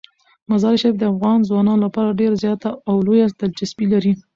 مزارشریف د افغان ځوانانو لپاره ډیره زیاته او لویه دلچسپي لري.